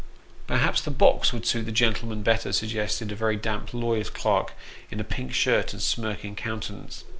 " Perhaps the box would suit the gentleman better," suggested a very damp lawyer's clerk, in a pink shirt, and a smirking countenance.